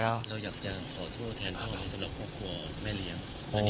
เราอยากจะขอโทษแทนทั้งหลายสำหรับครอบครัวแม่เลี้ยง